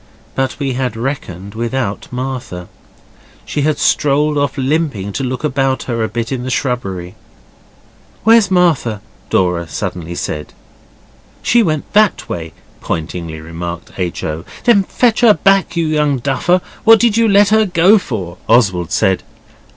But we had reckoned without Martha. She had strolled off limping to look about her a bit in the shrubbery. 'Where's Martha?' Dora suddenly said. 'She went that way,' pointingly remarked H. O. 'Then fetch her back, you young duffer! What did you let her go for?' Oswald said.